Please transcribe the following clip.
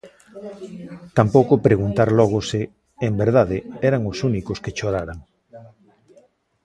Tampouco preguntar logo se, en verdade, eran os únicos que choraran.